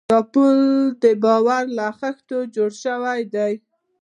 دا پُل د باور له خښتو جوړ شوی دی.